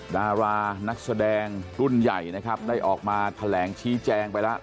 ดารานักแสดงรุ่นใหญ่นะครับได้ออกมาแถลงชี้แจงไปแล้ว